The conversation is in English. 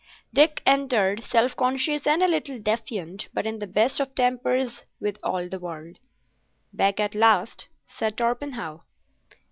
Dick entered, self conscious and a little defiant, but in the best of tempers with all the world. "Back at last?" said Torpenhow.